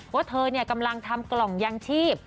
ว่าเธอกำลังทำกล่องยางชีพ